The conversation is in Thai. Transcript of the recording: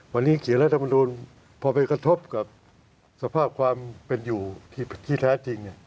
วันนี้เขียนรัฐมนุนพอไปกระทบกับสภาพความเป็นอยู่ที่แท้จริง